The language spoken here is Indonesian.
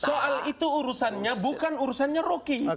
soal itu urusannya bukan urusannya rocky